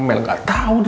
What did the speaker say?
jadi ibu ngacau takut